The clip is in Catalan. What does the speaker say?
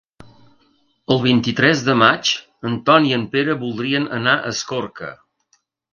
El vint-i-tres de maig en Ton i en Pere voldrien anar a Escorca.